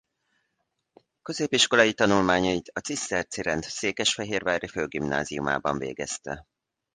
Középiskolai tanulmányait a Ciszterci Rend Székesfehérvári Főgimnáziumában végezte.